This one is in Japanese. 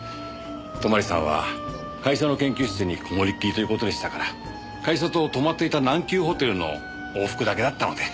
泊さんは会社の研究室にこもりっきりという事でしたから会社と泊まっていた南急ホテルの往復だけだったので。